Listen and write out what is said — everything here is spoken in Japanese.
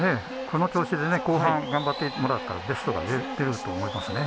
この調子でね後半頑張ってもらったらベストが出ると思いますね。